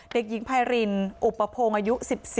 เด็กหญิงไพรินอุปโภงอายุ๑๔